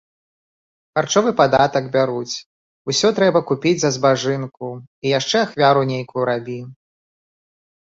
Харчовы падатак бяруць, усё трэба купiць за збажынку i яшчэ ахвяру нейкую рабi...